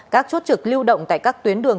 các chốt trực lưu động tại các tuyến đường